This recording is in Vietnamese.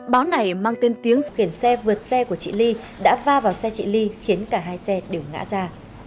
báo này mang tên tiếng khiển xe vượt xe của chị ly đã va vào xe chị ly khiến cả hai xe đều ngã ra